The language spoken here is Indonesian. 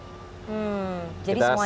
jadi semuanya out of national ya